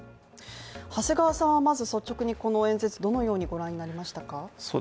長谷川さんは率直にこの演説、どのように御覧になりましたか。